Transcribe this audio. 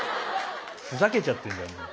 ふざけちゃってるんじゃんもう。